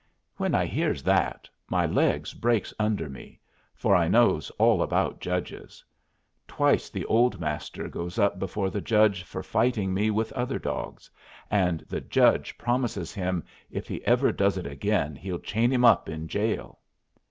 When I hears that my legs breaks under me, for I knows all about judges. Twice the old Master goes up before the judge for fighting me with other dogs, and the judge promises him if he ever does it again he'll chain him up in jail.